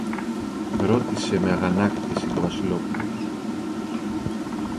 ρώτησε με αγανάκτηση το Βασιλόπουλο.